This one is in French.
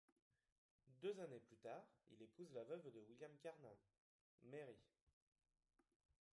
Deux années plus tard, il épouse la veuve de William Carnan, Mary.